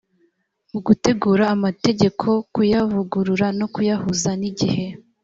mu gutegura amategeko kuyavugurura no kuyahuza n’igihe